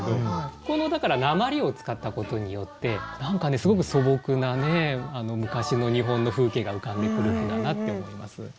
このだからなまりを使ったことによって何かねすごく素朴なね昔の日本の風景が浮かんでくる句だなって思います。